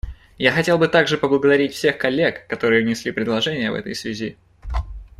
Я хотел бы также поблагодарить всех коллег, которые внесли предложения в этой связи.